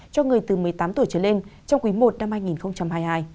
cho người từ một mươi tám tuổi trở lên trong quý i năm hai nghìn hai mươi hai